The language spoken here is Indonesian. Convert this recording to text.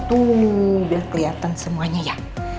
tuh udah kelihatan semuanya ya